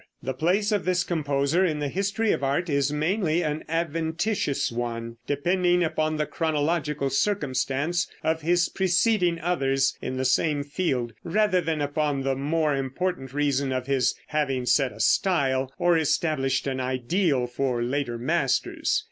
The place of this composer in the history of art is mainly an adventitious one, depending upon the chronological circumstance of his preceding others in the same field, rather than upon the more important reason of his having set a style, or established an ideal, for later masters.